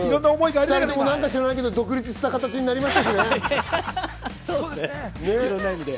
２人ともなんか知らないけど、独立した形になりました